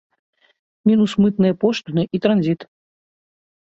Мінус мытныя пошліны і транзіт.